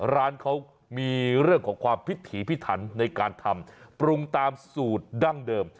ร้านเขามีเรื่องของความพิถีพิถันในการทำปรุงตามสูตรดั้งเดิม